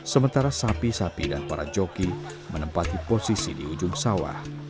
sementara sapi sapi dan para joki menempati posisi di ujung sawah